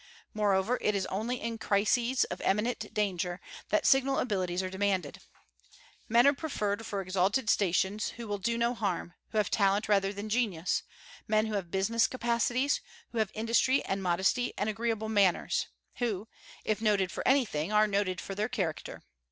Moreover, it is only in crises of imminent danger that signal abilities are demanded. Men are preferred for exalted stations who will do no harm, who have talent rather than genius, men who have business capacities, who have industry and modesty and agreeable manners; who, if noted for anything, are noted for their character.